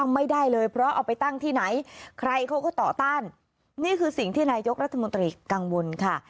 ไม่ได้เลยเพราะเอาไปตั้งที่ไหนใครเขาก็ต่อต้านนี่คือสิ่งที่นายกรัฐมนตรีกังวลค่ะ